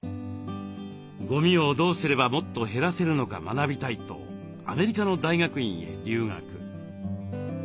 ゴミをどうすればもっと減らせるのか学びたいとアメリカの大学院へ留学。